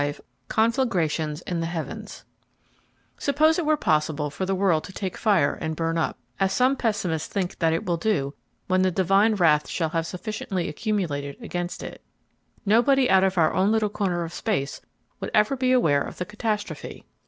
V Conflagrations in the Heavens Suppose it were possible for the world to take fire and burn up—as some pessimists think that it will do when the Divine wrath shall have sufficiently accumulated against it—nobody out of our own little corner of space would ever be aware of the catastrophe!